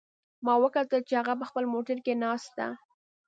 ما وکتل چې هغه په خپل موټر کې ناست ده